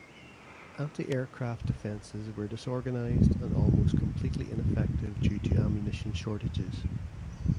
Antiaircraft defenses were disorganized and almost completely ineffective due to ammunition shortages.